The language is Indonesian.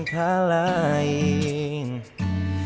tapi tak seindah kamu